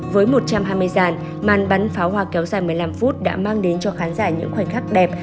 với một trăm hai mươi dàn màn bắn pháo hoa kéo dài một mươi năm phút đã mang đến cho khán giả những khoảnh khắc đẹp